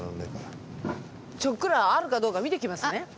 ちょっくらあるかどうか見てきますね。